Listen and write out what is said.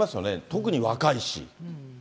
特に若いし。